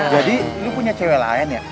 jadi lo punya cewek lain ya